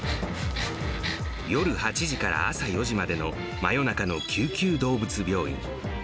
夜８時から朝４時までの真夜中の救急動物病院。